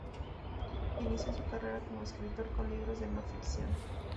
Inició su carrera como escritor con libros de no ficción.